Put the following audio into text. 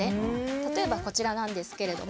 例えばこちらなんですけれども。